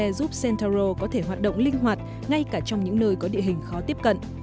e giúp central có thể hoạt động linh hoạt ngay cả trong những nơi có địa hình khó tiếp cận